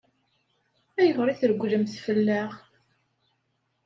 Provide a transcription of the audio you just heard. Ayɣer i tregglemt fell-aɣ?